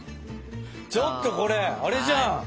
ちょっとこれあれじゃん！